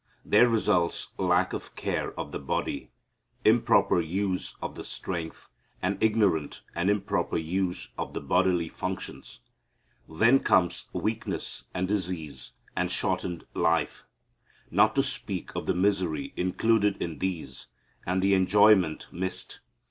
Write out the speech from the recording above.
There results lack of care of the body, improper use of the strength, and ignorant and improper use of the bodily functions. Then come weakness and disease and shortened life, not to speak of the misery included in these and the enjoyment missed.